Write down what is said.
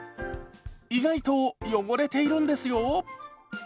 意外と汚れているんですよ。